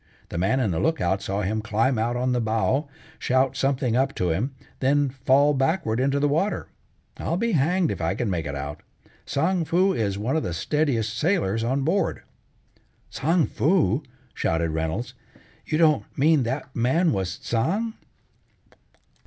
The man in the lookout saw him climb out on the bow, shout something up to him, then fall backward into the water. I'll be hanged if I can make it out. Tsang Foo is one of the steadiest sailors on board." "Tsang Foo!" shouted Reynolds. "You don't mean that man was Tsang?"